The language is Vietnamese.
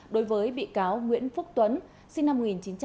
đối với bị cáo nguyễn phúc tuấn sinh năm một nghìn chín trăm bảy mươi ba